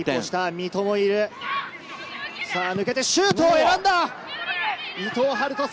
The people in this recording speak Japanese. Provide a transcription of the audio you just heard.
抜けて、シュートを選んだ。